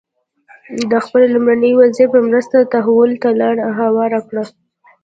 د خپل لومړي وزیر په مرسته تحول ته لار هواره کړه.